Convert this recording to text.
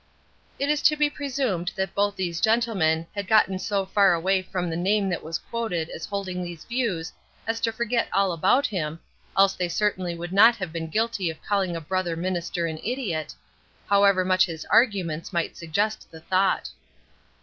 It is to be presumed that both these gentlemen had gotten so far away from the name that was quoted as holding these views as to forget all about him, else they certainly would not have been guilty of calling a brother minister an idiot, however much his arguments might suggest the thought.